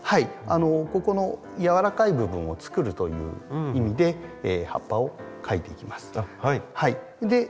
ここのやわらかい部分をつくるという意味で葉っぱをかいていきます。